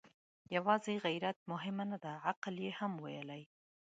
يواځې غيرت مهمه نه ده، عقل يې هم ويلی.